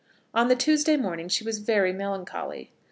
On the Tuesday morning she was very melancholy.